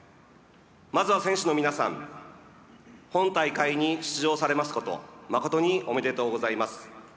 まずは、選手の皆さん本大会に出場されますこと誠におめでとうございます。